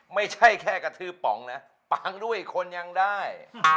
ไม่ใช่แค่กระทืบป๋องนะปังด้วยคนยังได้